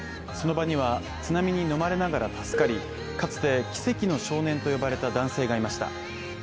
その場には、津波にのまれながら助かりかつて奇跡の少年と呼ばれた男性がいました。